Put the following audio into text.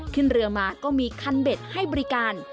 ขึ้นเรือมาก็มีคันเบ็ดให้บริการ